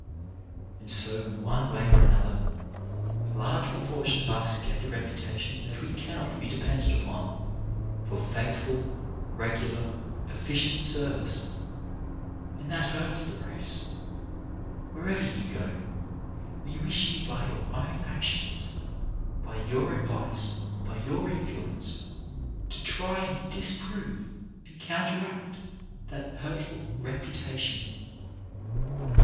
And so, in one way or another, a large propor tion of us get the reputation that we cannot be depended upon for faithful, regular, efficient service; and that hurts the race. Wherever you go, we wish you by your own actions, by your advice, by your influence, to try and disprove and counteract that hurtful reputation.